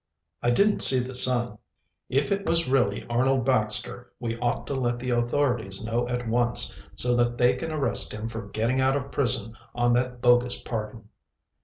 "I didn't see the son." "If it was really Arnold Baxter we ought to let the authorities know at once, so that they can arrest him for getting out of prison on that bogus pardon."